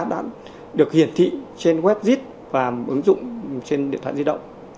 đã được hiển thị trên webjit và ứng dụng trên điện thoại di động